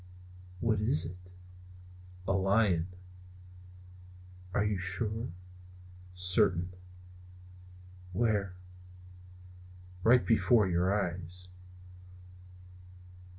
"What is it?" "A lion." "Are you sure?" "Certain." "Where?" "Right before your eyes."